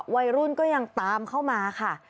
วัยรุ่นก็ยังตามเข้ามาค่ะ